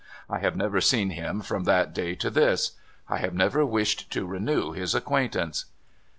I have never seen him from that day to this. I have never wished to renew his acquaintance.